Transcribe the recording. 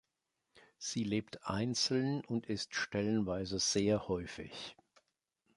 Sie lebt einzeln und ist stellenweise sehr häufig.